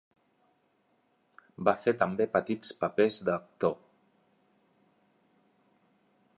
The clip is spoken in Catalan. Va fer també petits papers d'actor.